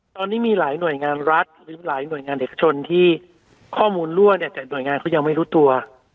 ตอนนี้มีหลายหน่วยงานรัฐหรือหลายหน่วยงานเอกชนที่ข้อมูลรั่วเนี่ยแต่หน่วยงานเขายังไม่รู้ตัว